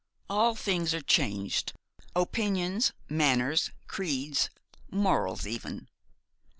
All things are changed: opinions, manners, creeds, morals even.